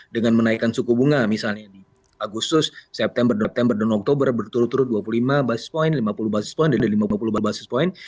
dengan menaikkan suku bunga misalnya di agustus september september dan oktober berturut turut dua puluh lima basis point lima puluh basis point dan lima puluh lima puluh basis point